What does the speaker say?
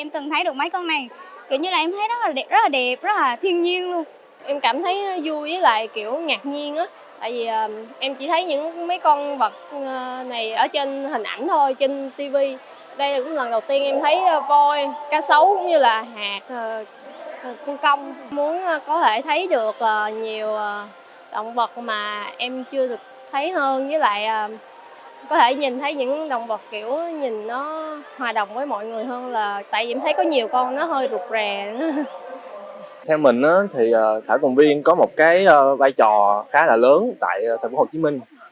theo mình thì thảo cầm viên có một vai trò khá là lớn tại tp hcm